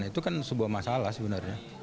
itu kan sebuah masalah sebenarnya